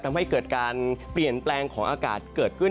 ทำให้เกิดการเปลี่ยนแปลงของอากาศเกิดขึ้น